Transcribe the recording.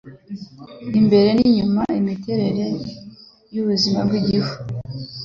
imbere n’inyuma. Imiterere y’ubuzima bw’igifu